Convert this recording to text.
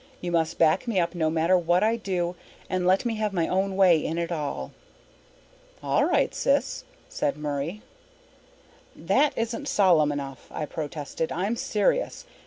You must back me up no matter what I do and let me have my own way in it all." "All right, sis," said Murray. "That isn't solemn enough," I protested. "I'm serious.